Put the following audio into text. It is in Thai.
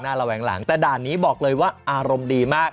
หลังหน้าหลังหลังแต่ด่านนี้บอกเลยว่าอารมณ์ดีมาก